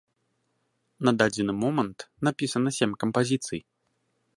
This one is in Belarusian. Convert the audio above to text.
На дадзены момант напісана сем кампазіцый.